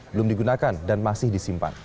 belum digunakan dan masih disimpan